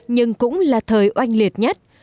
nhưng cũng là thời oanh liệt nhất